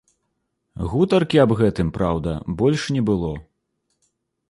Гутаркі аб гэтым, праўда, больш не было.